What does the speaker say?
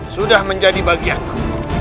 sudah menjadi bagianku